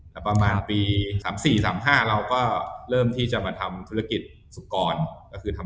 แล้วประมาณปี๓๔๓๕เราก็เริ่มที่จะมาทำธุรกิจสุกรก็คือทำ